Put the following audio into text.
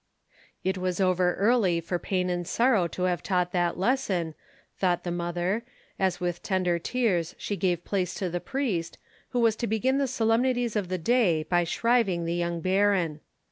It was over early for pain and sorrow to have taught that lesson, thought the mother, as with tender tears she gave place to the priest, who was to begin the solemnities of the day by shriving the young Baron.